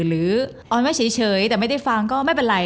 ออนไว้เฉยแต่ไม่ได้ฟังก็ไม่เป็นไร